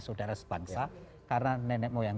saudara sebangsa karena nenek moyang